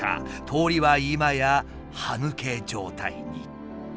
通りは今や歯抜け状態に。